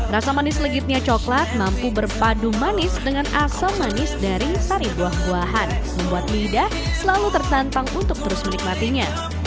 rasa manis legitnya coklat mampu berpadu manis dengan asam manis dari sari buah buahan membuat lidah selalu tertantang untuk terus menikmatinya